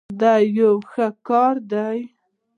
دا یو ښه کار دی.